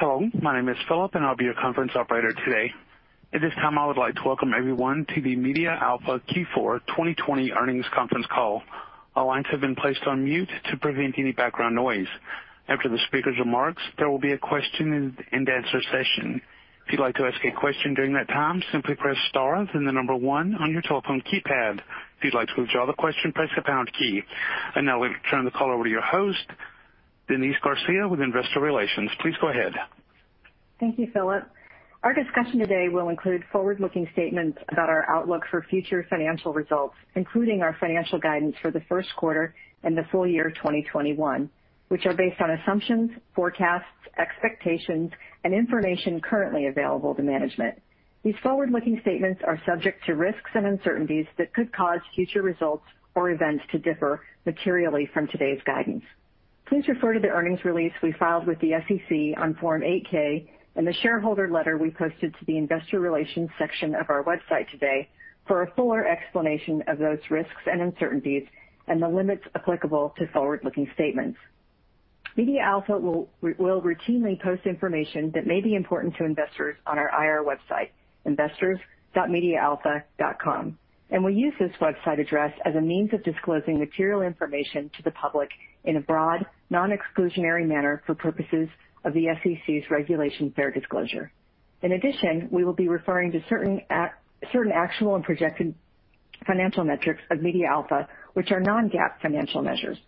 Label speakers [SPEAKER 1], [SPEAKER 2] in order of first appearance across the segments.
[SPEAKER 1] Hello, my name is Philip, and I'll be your conference operator today. At this time, I would like to welcome everyone to the MediaAlpha Q4 2020 earnings conference call. All lines have been placed on mute to prevent any background noise. After the speaker's remarks, there will be a question-and-answer session. If you'd like to ask a question during that time, simply press star and then the number one on your telephone keypad. If you'd like to withdraw the question, press the pound key. Now we turn the call over to your host, Denise Garcia with Investor Relations. Please go ahead.
[SPEAKER 2] Thank you, Philip. Our discussion today will include forward-looking statements about our outlook for future financial results, including our financial guidance for the first quarter and the full year 2021, which are based on assumptions, forecasts, expectations, and information currently available to management. These forward-looking statements are subject to risks and uncertainties that could cause future results or events to differ materially from today's guidance. Please refer to the earnings release we filed with the SEC on Form 8K and the shareholder letter we posted to the Investor Relations section of our website today for a fuller explanation of those risks and uncertainties and the limits applicable to forward-looking statements. MediaAlpha will routinely post information that may be important to investors on our IR website, investors.medialpha.com, and we use this website address as a means of disclosing material information to the public in a broad, non-exclusionary manner for purposes of the SEC's regulation fair disclosure. In addition, we will be referring to certain actual and projected financial metrics of MediaAlpha, which are non-GAAP financial measures.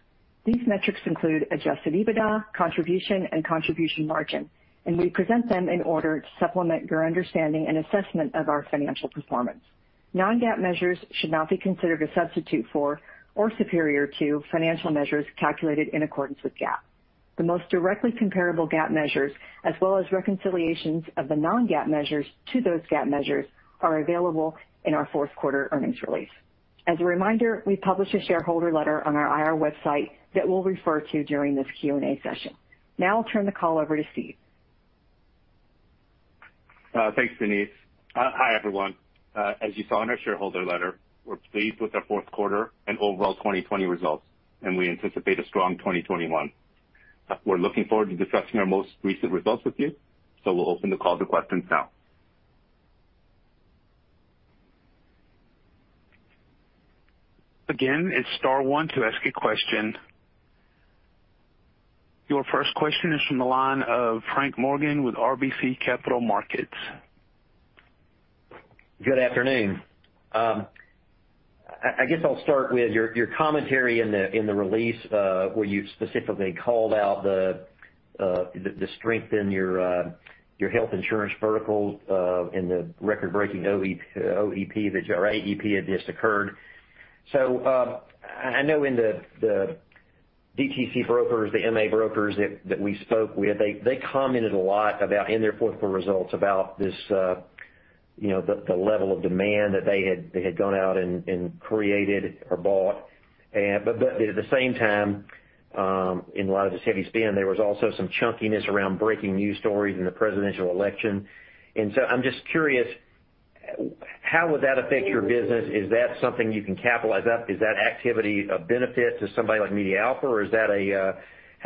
[SPEAKER 2] These metrics include adjusted EBITDA, contribution, and contribution margin, and we present them in order to supplement your understanding and assessment of our financial performance. Non-GAAP measures should not be considered a substitute for or superior to financial measures calculated in accordance with GAAP. The most directly comparable GAAP measures, as well as reconciliations of the non-GAAP measures to those GAAP measures, are available in our fourth quarter earnings release. As a reminder, we publish a shareholder letter on our IR website that we'll refer to during this Q&A session. Now I'll turn the call over to Steve.
[SPEAKER 3] Thanks, Denise. Hi, everyone. As you saw in our shareholder letter, we're pleased with our fourth quarter and overall 2020 results, and we anticipate a strong 2021. We're looking forward to discussing our most recent results with you, so we'll open the call to questions now.
[SPEAKER 1] Again, it's star one to ask a question. Your first question is from the line of Frank Morgan with RBC Capital Markets.
[SPEAKER 4] Good afternoon. I guess I'll start with your commentary in the release where you specifically called out the strength in your health insurance vertical and the record-breaking OEP that your AEP had just occurred. I know in the DTC brokers, the MA brokers that we spoke with, they commented a lot about in their fourth quarter results about the level of demand that they had gone out and created or bought. At the same time, in light of this heavy spend, there was also some chunkiness around breaking news stories in the presidential election. I'm just curious, how would that affect your business? Is that something you can capitalize on? Is that activity a benefit to somebody like MediaAlpha, or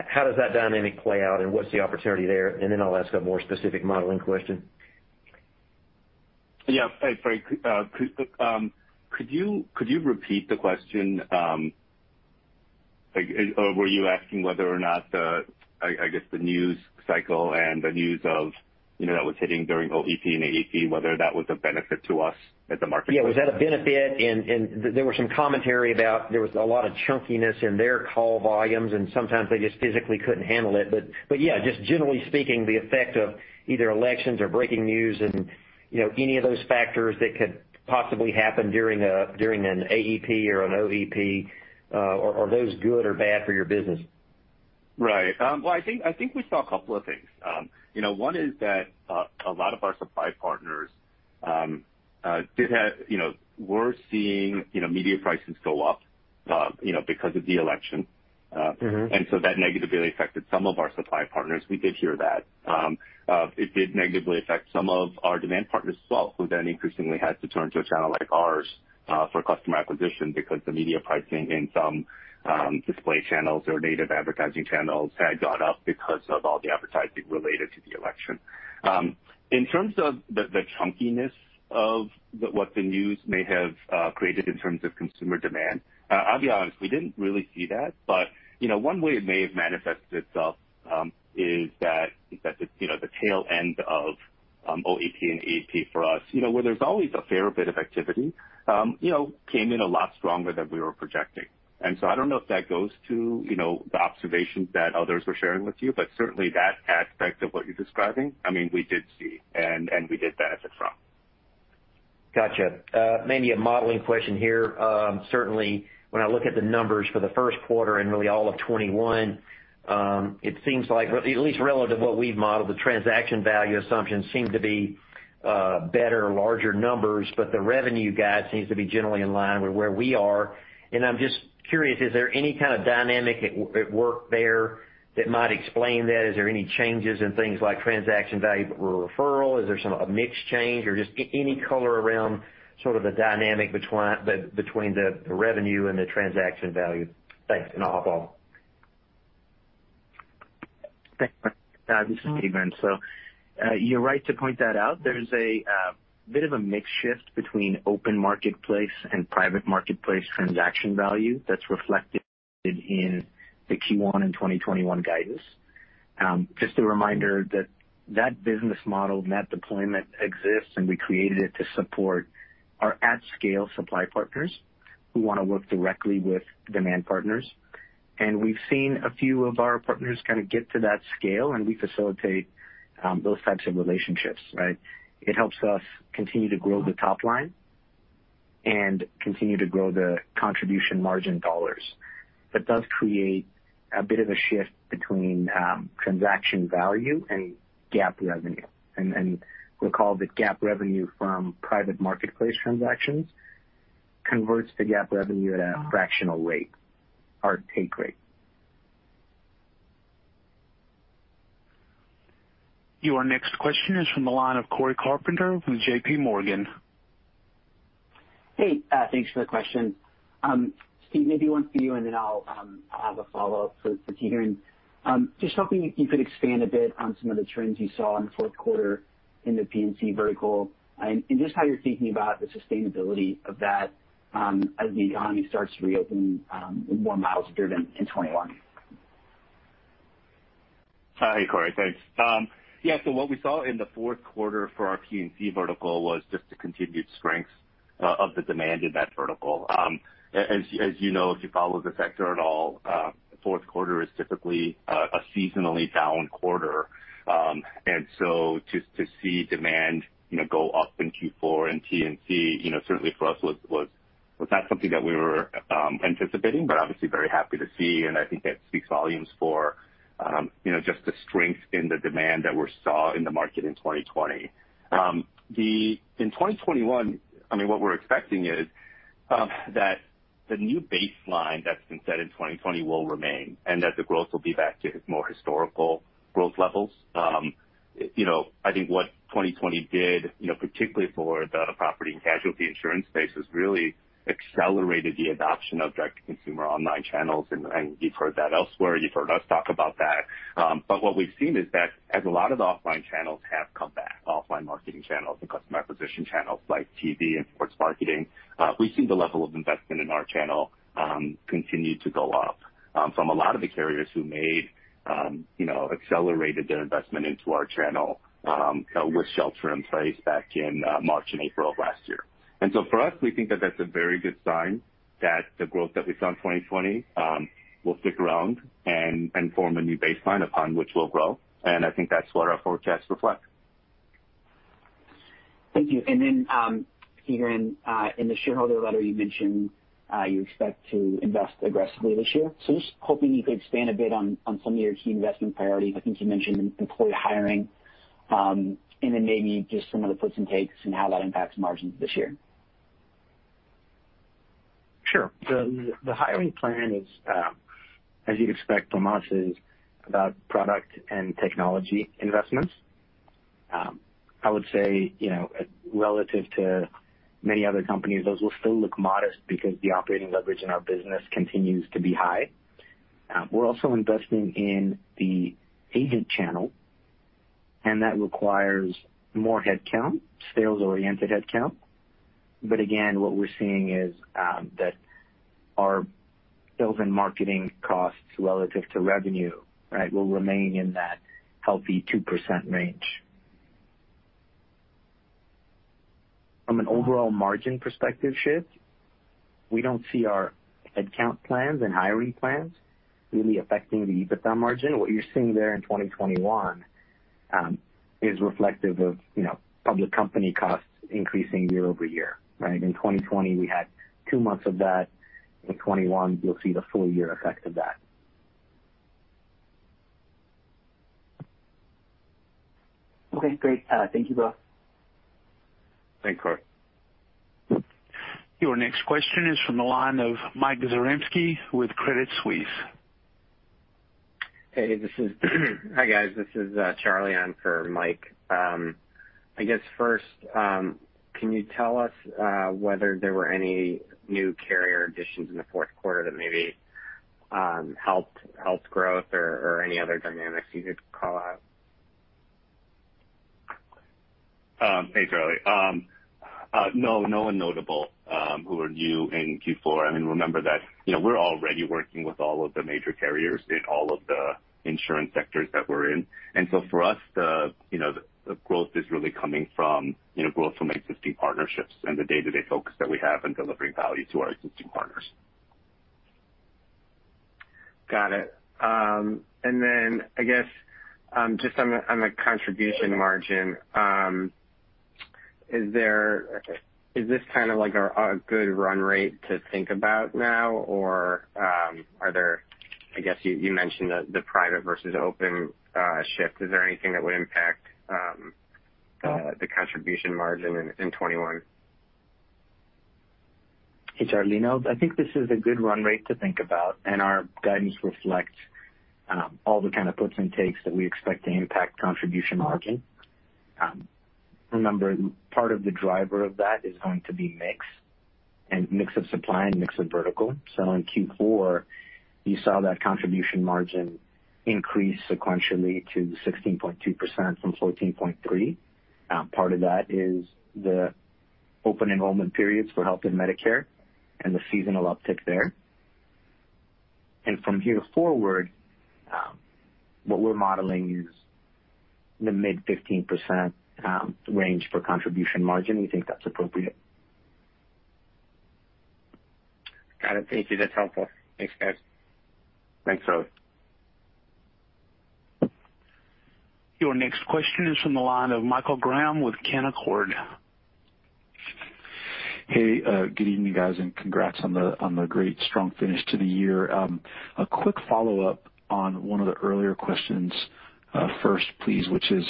[SPEAKER 4] how does that dynamic play out, and what's the opportunity there? I'll ask a more specific modeling question.
[SPEAKER 3] Yeah, hey, Frank, could you repeat the question? Were you asking whether or not, I guess, the news cycle and the news that was hitting during OEP and AEP, whether that was a benefit to us at the market?
[SPEAKER 4] Yeah, was that a benefit? There was some commentary about there was a lot of chunkiness in their call volumes, and sometimes they just physically couldn't handle it. Yeah, just generally speaking, the effect of either elections or breaking news and any of those factors that could possibly happen during an AEP or an OEP, are those good or bad for your business?
[SPEAKER 3] Right. I think we saw a couple of things. One is that a lot of our supply partners were seeing media prices go up because of the election. That negatively affected some of our supply partners. We did hear that. It did negatively affect some of our demand partners as well, who then increasingly had to turn to a channel like ours for customer acquisition because the media pricing in some display channels or native advertising channels had gone up because of all the advertising related to the election. In terms of the chunkiness of what the news may have created in terms of consumer demand, I'll be honest, we did not really see that. One way it may have manifested itself is that the tail end of OEP and AEP for us, where there's always a fair bit of activity, came in a lot stronger than we were projecting. I don't know if that goes to the observations that others were sharing with you, but certainly that aspect of what you're describing, I mean, we did see, and we did benefit from.
[SPEAKER 4] Gotcha. Maybe a modeling question here. Certainly, when I look at the numbers for the first quarter and really all of 2021, it seems like, at least relative to what we've modeled, the transaction value assumptions seem to be better, larger numbers, but the revenue guide seems to be generally in line with where we are. I'm just curious, is there any kind of dynamic at work there that might explain that? Is there any changes in things like transaction value or referral? Is there some mixed change or just any color around sort of the dynamic between the revenue and the transaction value? Thanks. That's all.
[SPEAKER 5] Thanks. This is Tigran. You're right to point that out. There's a bit of a mixed shift between open marketplace and private marketplace transaction value that's reflected in the Q1 and 2021 guidance. Just a reminder that that business model, that deployment exists, and we created it to support our at-scale supply partners who want to work directly with demand partners. We've seen a few of our partners kind of get to that scale, and we facilitate those types of relationships, right? It helps us continue to grow the top line and continue to grow the contribution margin dollars. It does create a bit of a shift between transaction value and GAAP revenue. We'll call the GAAP revenue from private marketplace transactions converts to GAAP revenue at a fractional rate, our take rate.
[SPEAKER 1] Your next question is from the line of Cory Carpenter from JPMorgan.
[SPEAKER 6] Hey, thanks for the question. Steve, if you want to, and then I'll have a follow-up with Tigran. Just hoping you could expand a bit on some of the trends you saw in the fourth quarter in the P&C vertical and just how you're thinking about the sustainability of that as the economy starts to reopen with more miles driven in 2021.
[SPEAKER 3] Hi, Cory. Thanks. Yeah, what we saw in the fourth quarter for our P&C vertical was just the continued strength of the demand in that vertical. As you know, if you follow the sector at all, the fourth quarter is typically a seasonally down quarter. To see demand go up in Q4 in P&C, certainly for us, was not something that we were anticipating, but obviously very happy to see. I think that speaks volumes for just the strength in the demand that we saw in the market in 2020. In 2021, I mean, what we're expecting is that the new baseline that's been set in 2020 will remain and that the growth will be back to more historical growth levels. I think what 2020 did, particularly for the property and casualty insurance space, was really accelerated the adoption of direct-to-consumer online channels. You have heard that elsewhere. You have heard us talk about that. What we have seen is that as a lot of the offline channels have come back, offline marketing channels and customer acquisition channels like TV and sports marketing, we have seen the level of investment in our channel continue to go up from a lot of the carriers who may have accelerated their investment into our channel with shelter in place back in March and April of last year. For us, we think that is a very good sign that the growth that we saw in 2020 will stick around and form a new baseline upon which we will grow. I think that is what our forecasts reflect.
[SPEAKER 6] Thank you. Tigran, in the shareholder letter, you mentioned you expect to invest aggressively this year. Just hoping you could expand a bit on some of your key investment priorities. I think you mentioned employee hiring and then maybe just some of the perks and takes and how that impacts margins this year.
[SPEAKER 5] Sure. The hiring plan is, as you'd expect from us, about product and technology investments. I would say relative to many other companies, those will still look modest because the operating leverage in our business continues to be high. We're also investing in the agent channel, and that requires more headcount, sales-oriented headcount. Again, what we're seeing is that our sales and marketing costs relative to revenue will remain in that healthy 2% range. From an overall margin perspective shift, we do not see our headcount plans and hiring plans really affecting the EBITDA margin. What you're seeing there in 2021 is reflective of public company costs increasing year over year. In 2020, we had two months of that. In 2021, you'll see the full year effect of that.
[SPEAKER 6] Okay. Great. Thank you both.
[SPEAKER 3] Thanks, Cory.
[SPEAKER 1] Your next question is from the line of Mike Zaremski with Credit Suisse.
[SPEAKER 7] Hey, hi, guys. This is Charlie. I'm for Mike. I guess first, can you tell us whether there were any new carrier additions in the fourth quarter that maybe helped growth or any other dynamics you could call out?
[SPEAKER 3] Thanks, Charlie. No, no one notable who were new in Q4. I mean, remember that we're already working with all of the major carriers in all of the insurance sectors that we're in. For us, the growth is really coming from growth from existing partnerships and the day-to-day focus that we have in delivering value to our existing partners.
[SPEAKER 7] Got it. I guess just on the contribution margin, is this kind of like a good run rate to think about now, or are there, I guess you mentioned the private versus open shift. Is there anything that would impact the contribution margin in 2021?
[SPEAKER 3] Hey, Charlie, I think this is a good run rate to think about. Our guidance reflects all the kind of perks and takes that we expect to impact contribution margin. Remember, part of the driver of that is going to be mix and mix of supply and mix of vertical. In Q4, you saw that contribution margin increase sequentially to 16.2% from 14.3%. Part of that is the open enrollment periods for health and Medicare and the seasonal uptick there. From here forward, what we're modeling is the mid 15% range for contribution margin. We think that's appropriate.
[SPEAKER 7] Got it. Thank you. That's helpful. Thanks, guys.
[SPEAKER 3] Thanks, Charlie.
[SPEAKER 1] Your next question is from the line of Michael Graham with Canaccord.
[SPEAKER 8] Hey, good evening, guys, and congrats on the great strong finish to the year. A quick follow-up on one of the earlier questions first, please, which is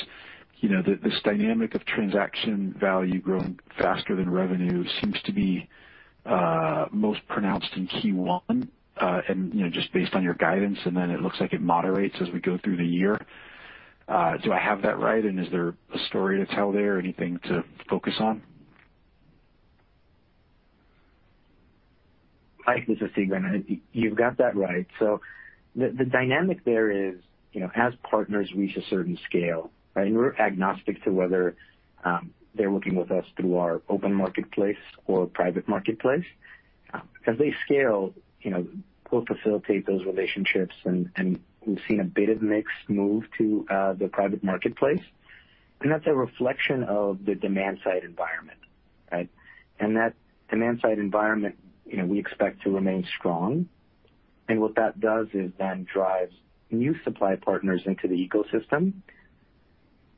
[SPEAKER 8] this dynamic of transaction value growing faster than revenue seems to be most pronounced in Q1 and just based on your guidance, and then it looks like it moderates as we go through the year. Do I have that right? Is there a story to tell there or anything to focus on?
[SPEAKER 5] Hi, this is Tigran. You've got that right. The dynamic there is, as partners reach a certain scale, and we're agnostic to whether they're working with us through our open marketplace or private marketplace. As they scale, we'll facilitate those relationships, and we've seen a bit of mix move to the private marketplace. That is a reflection of the demand-side environment. That demand-side environment, we expect to remain strong. What that does is then drive new supply partners into the ecosystem,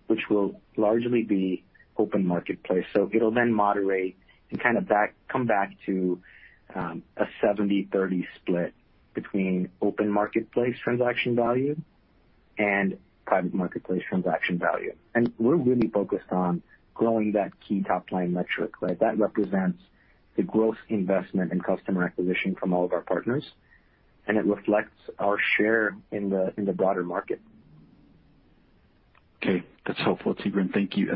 [SPEAKER 5] which will largely be open marketplace. It will then moderate and kind of come back to a 70/30 split between open marketplace transaction value and private marketplace transaction value. We're really focused on growing that key top line metric. That represents the gross investment and customer acquisition from all of our partners. It reflects our share in the broader market.
[SPEAKER 8] Okay. That's helpful, Tigran. Thank you.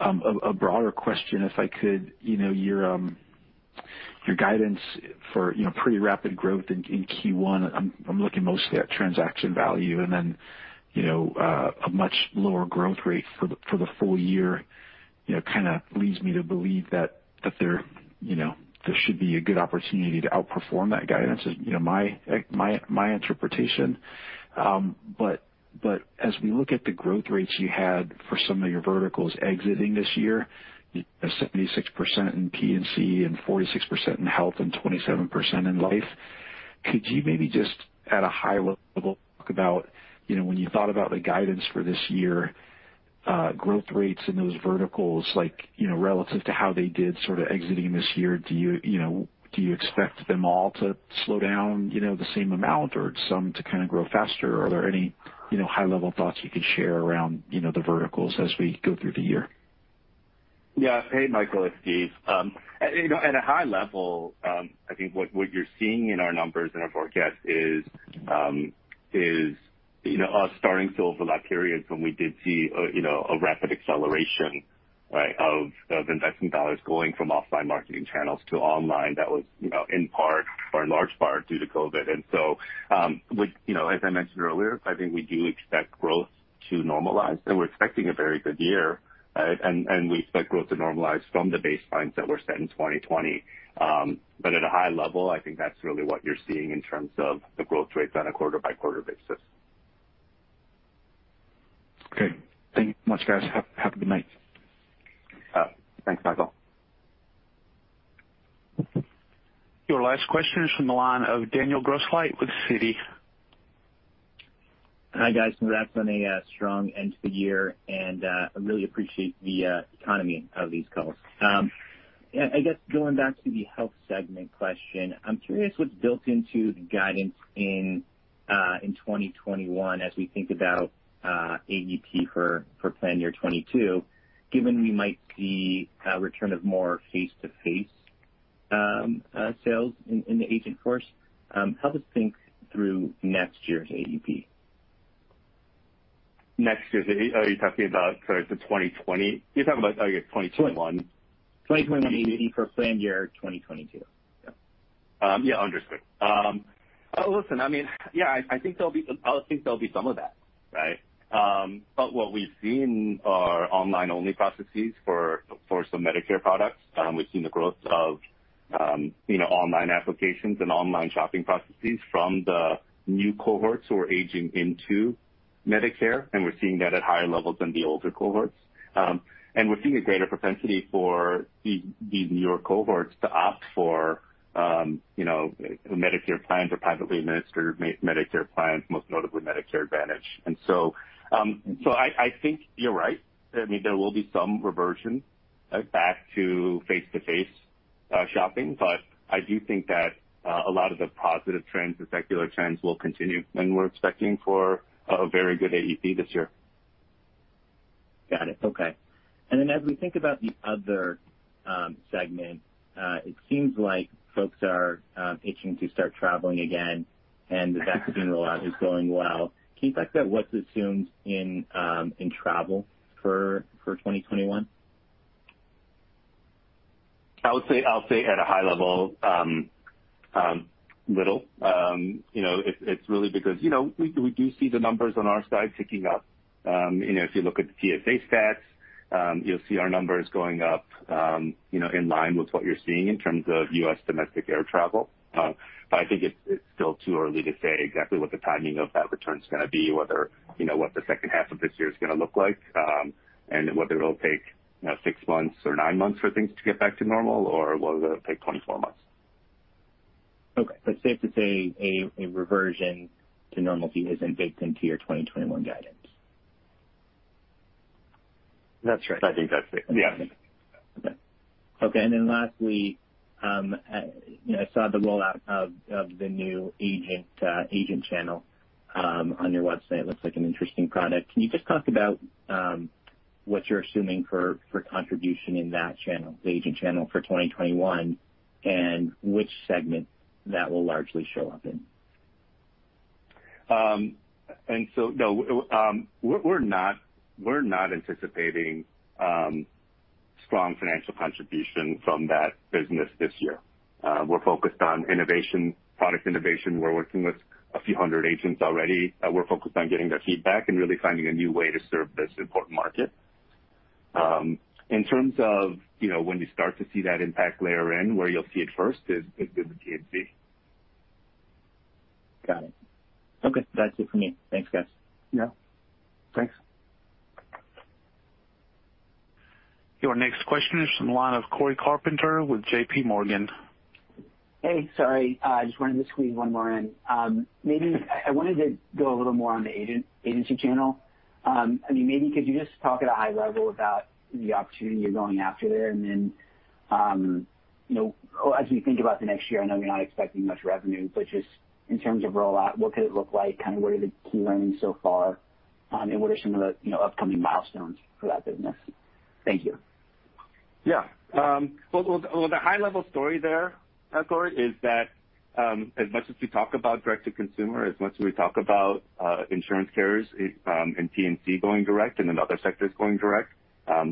[SPEAKER 8] A broader question, if I could, your guidance for pretty rapid growth in Q1, I'm looking mostly at transaction value. A much lower growth rate for the full year kind of leads me to believe that there should be a good opportunity to outperform that guidance is my interpretation. As we look at the growth rates you had for some of your verticals exiting this year, 76% in P&C and 46% in health and 27% in life, could you maybe just at a high level talk about when you thought about the guidance for this year, growth rates in those verticals relative to how they did sort of exiting this year, do you expect them all to slow down the same amount or some to kind of grow faster? Are there any high-level thoughts you could share around the verticals as we go through the year?
[SPEAKER 3] Yeah. Hey, Michael, it's Steve. At a high level, I think what you're seeing in our numbers and our forecast is us starting to overlap periods when we did see a rapid acceleration of investment dollars going from offline marketing channels to online. That was in part or in large part due to COVID. As I mentioned earlier, I think we do expect growth to normalize. We're expecting a very good year. We expect growth to normalize from the baselines that were set in 2020. At a high level, I think that's really what you're seeing in terms of the growth rates on a quarter-by-quarter basis.
[SPEAKER 9] Okay. Thank you [so much]. Have a good night.
[SPEAKER 3] Thanks, Michael.
[SPEAKER 1] Your last question is from the line of Daniel Grosslight with Citi.
[SPEAKER 10] Hi, guys. Congrats on a strong end to the year. I really appreciate the economy of these calls. I guess going back to the health segment question, I'm curious what's built into the guidance in 2021 as we think about AEP for plan year 2022, given we might see a return of more face-to-face sales in the agent force. How to think through next year's AEP?
[SPEAKER 3] Next year, are you talking about the 2020? You're talking about 2021.
[SPEAKER 10] 2021 AEP for plan year 2022.
[SPEAKER 3] Yeah. Understood. Listen, I mean, yeah, I think there'll be some of that, right? What we've seen are online-only processes for some Medicare products. We've seen the growth of online applications and online shopping processes from the new cohorts who are aging into Medicare. We're seeing that at higher levels than the older cohorts. We're seeing a greater propensity for these newer cohorts to opt for Medicare plans or privately administered Medicare plans, most notably Medicare Advantage. I think you're right. I mean, there will be some reversion back to face-to-face shopping. I do think that a lot of the positive trends and secular trends will continue. We're expecting for a very good AEP this year.
[SPEAKER 10] Got it. Okay. As we think about the other segment, it seems like folks are itching to start traveling again, and that the vaccine rollout is going well. Can you talk about what's assumed in travel for 2021?
[SPEAKER 3] I'll say at a high level, little. It's really because we do see the numbers on our side ticking up. If you look at the TSA stats, you'll see our numbers going up in line with what you're seeing in terms of U.S. domestic air travel. I think it's still too early to say exactly what the timing of that return is going to be, whether what the second half of this year is going to look like, and whether it'll take six months or nine months for things to get back to normal, or will it take 24 months?
[SPEAKER 10] Okay. Safe to say a reversion to normalcy isn't baked into your 2021 guidance.
[SPEAKER 3] That's right. I think that's it. Yeah.
[SPEAKER 10] Okay. Lastly, I saw the rollout of the new agent channel on your website. It looks like an interesting product. Can you just talk about what you're assuming for contribution in that channel, the agent channel for 2021, and which segment that will largely show up in?
[SPEAKER 3] No, we're not anticipating strong financial contribution from that business this year. We're focused on innovation, product innovation. We're working with a few hundred agents already. We're focused on getting their feedback and really finding a new way to serve this important market. In terms of when you start to see that impact layer in, where you'll see it first is in the T&C.
[SPEAKER 10] Got it. Okay. That's it for me. Thanks, guys.
[SPEAKER 3] Yeah. Thanks.
[SPEAKER 1] Your next question is from the line of Cory Carpenter with JPMorgan.
[SPEAKER 6] Hey, sorry. I just wanted to squeeze one more in. Maybe I wanted to go a little more on the agency channel. I mean, maybe could you just talk at a high level about the opportunity you're going after there? And then as we think about the next year, I know you're not expecting much revenue, but just in terms of rollout, what could it look like? Kind of what are the key learnings so far? And what are some of the upcoming milestones for that business? Thank you.
[SPEAKER 3] Yeah. The high-level story there, Corey, is that as much as we talk about direct-to-consumer, as much as we talk about insurance carriers and P&C going direct and then other sectors going direct,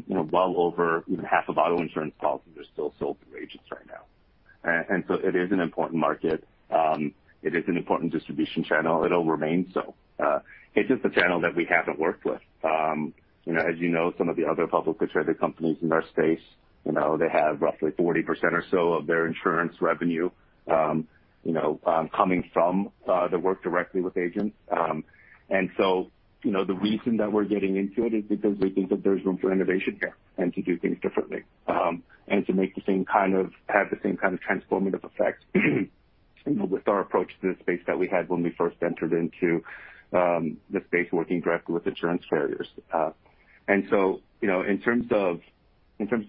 [SPEAKER 3] well over half a bottle of insurance policies are still sold through agents right now. It is an important market. It is an important distribution channel. It'll remain so. It's just a channel that we haven't worked with. As you know, some of the other publicly traded companies in our space, they have roughly 40% or so of their insurance revenue coming from the work directly with agents. The reason that we're getting into it is because we think that there's room for innovation here and to do things differently and to have the same kind of transformative effects with our approach to the space that we had when we first entered into the space working directly with insurance carriers. In terms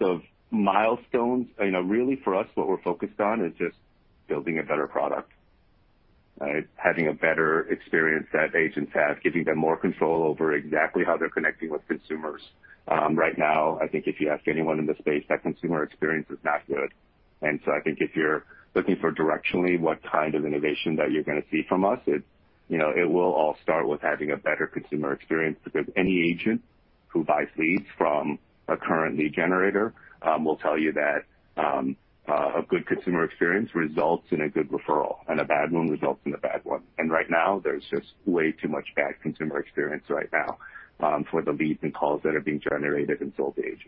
[SPEAKER 3] of milestones, really for us, what we're focused on is just building a better product, having a better experience that agents have, giving them more control over exactly how they're connecting with consumers. Right now, I think if you ask anyone in the space, that consumer experience is not good. I think if you're looking for directionally what kind of innovation that you're going to see from us, it will all start with having a better consumer experience because any agent who buys leads from a current lead generator will tell you that a good consumer experience results in a good referral, and a bad one results in a bad one. Right now, there's just way too much bad consumer experience right now for the leads and calls that are being generated and sold to agents.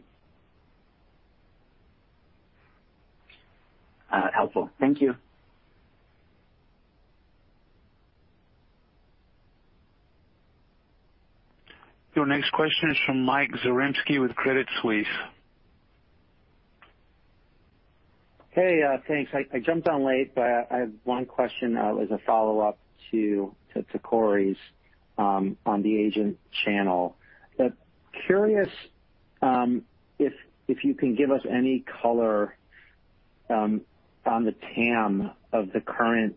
[SPEAKER 6] Helpful. Thank you.
[SPEAKER 1] Your next question is from Mike Zaremski with Credit Suisse.
[SPEAKER 11] Hey, thanks. I jumped on late, but I have one question as a follow-up to Cory on the agent channel. Curious if you can give us any color on the TAM of the current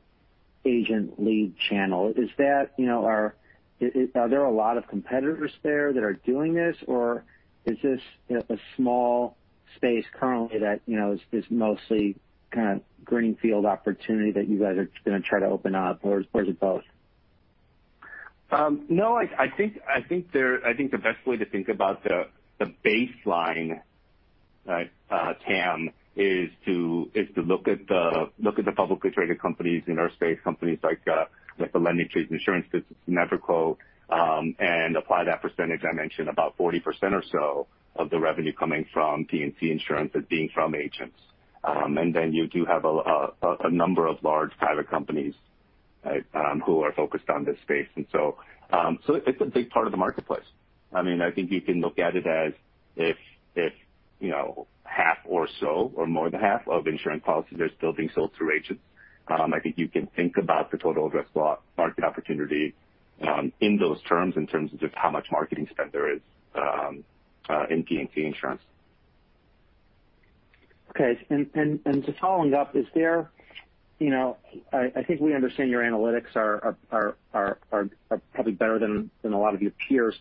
[SPEAKER 11] agent lead channel. Is that, are there a lot of competitors there that are doing this, or is this a small space currently that is mostly kind of greenfield opportunity that you guys are going to try to open up, or is it both?
[SPEAKER 3] No, I think the best way to think about the baseline TAM is to look at the publicly traded companies in our space, companies like LendingTree, MediaAlpha, and apply that percentage I mentioned, about 40% or so of the revenue coming from P&C insurance as being from agents. You do have a number of large private companies who are focused on this space. It is a big part of the marketplace. I mean, I think you can look at it as if half or so or more than half of insurance policies are still being sold through agents. I think you can think about the total addressed market opportunity in those terms in terms of just how much marketing spend there is in P&C insurance.
[SPEAKER 11] Okay. Just following up, I think we understand your analytics are probably better than a lot of your peers.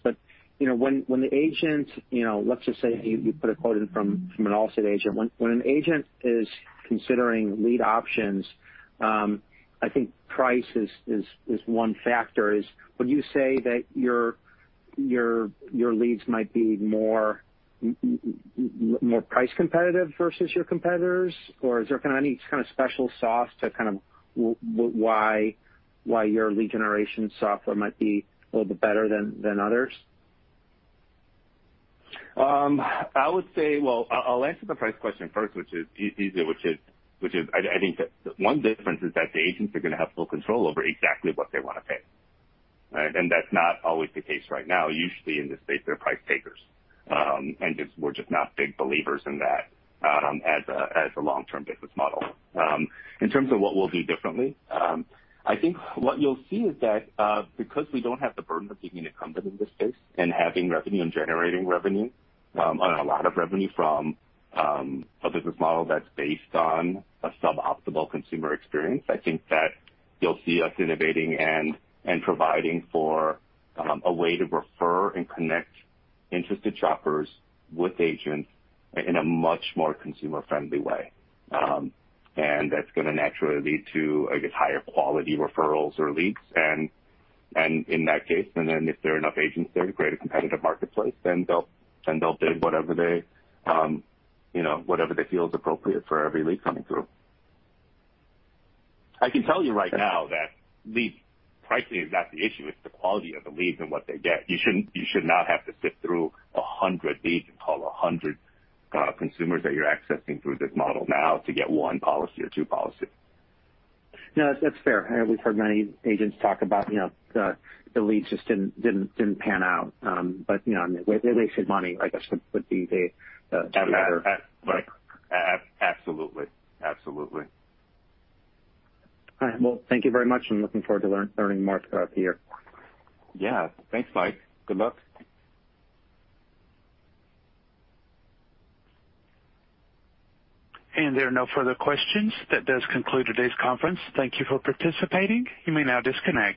[SPEAKER 11] When the agent, let's just say you put a quote in from an Allstate agent, when an agent is considering lead options, I think price is one factor. Would you say that your leads might be more price competitive versus your competitors? Or is there kind of any kind of special sauce to kind of why your lead generation software might be a little bit better than others?
[SPEAKER 3] I would say, I'll answer the first question first, which is easier, which is I think that one difference is that the agents are going to have full control over exactly what they want to pay. That's not always the case right now. Usually, in this space, they're price takers. We're just not big believers in that as a long-term business model. In terms of what we'll do differently, I think what you'll see is that because we don't have the burden of being an incumbent in this space and having revenue and generating revenue on a lot of revenue from a business model that's based on a suboptimal consumer experience, I think that you'll see us innovating and providing for a way to refer and connect interested shoppers with agents in a much more consumer-friendly way. That's going to naturally lead to, I guess, higher quality referrals or leads. In that case, if there are enough agents there to create a competitive marketplace, then they'll bid whatever they feel is appropriate for every lead coming through. I can tell you right now that the pricing is not the issue. It's the quality of the leads and what they get. You should not have to sift through 100 leads and call 100 consumers that you're accessing through this model now to get one policy or two policies.
[SPEAKER 11] No, that's fair. We've heard many agents talk about the leads just didn't pan out. They should money, I guess, would be the.
[SPEAKER 3] That matters. Absolutely. Absolutely.
[SPEAKER 11] All right. Thank you very much. I'm looking forward to learning more about the year.
[SPEAKER 3] Yeah. Thanks, Mike. Good luck.
[SPEAKER 1] There are no further questions. That does conclude today's conference. Thank you for participating. You may now disconnect.